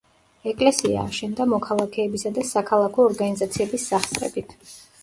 ეკლესია აშენდა მოქალაქეებისა და საქალაქო ორგანიზაციების სახსრებით.